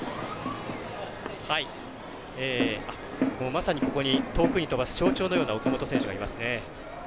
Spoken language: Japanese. まさにここに遠くに飛ばす象徴のような岡本選手がいますね。